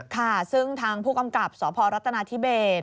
ค่ะซึ่งทางผู้กำกับสพรัฐนาธิเบส